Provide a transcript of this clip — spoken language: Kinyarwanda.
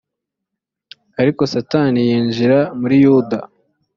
ariko satani yinjira muri yuda